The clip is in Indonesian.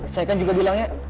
saya kan juga bilangnya